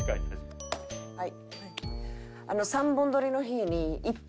はい。